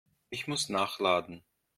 Ich muss nachladen.